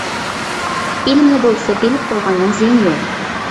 بىلىملا بولسا بىلىپ قويغاننىڭ زىيىنى يوق.